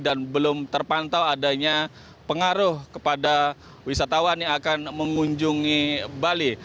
dan belum terpantau adanya pengaruh kepada wisatawan yang akan mengunjungi bali